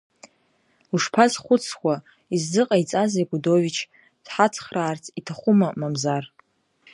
Ушԥазхәыцуа, иззыҟаиҵазеи Гудович, дҳацхраарц иҭахума, мамзар?